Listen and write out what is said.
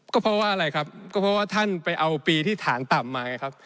ก็เพราะว่าอะไรครับก็เพราะว่าท่านไปเอาปีที่ฐานต่ำมาไงครับ